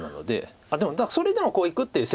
あっでもそれでもこういくっていう精神です。